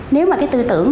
nếu mà cái tư tưởng